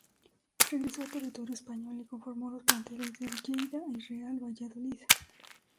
Regresó a territorio español y conformó los planteles del Lleida y Real Valladolid.